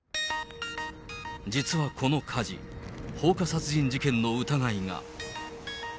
実はこの火事、放火殺人事件の疑いが。